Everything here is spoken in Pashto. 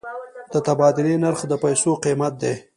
د تبادلې نرخ د پیسو قیمت دی.